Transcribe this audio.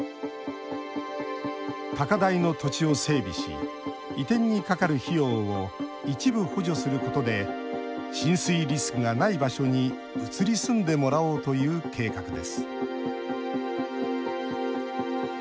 高台の土地を整備し移転にかかる費用を一部補助することで浸水リスクがない場所に移り住んでもらおうという計画です。